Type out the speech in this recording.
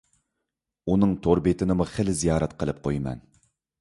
ئۇنىڭ تور بېتىنىمۇ خىلى زىيارەت قىلىپ قويىمەن.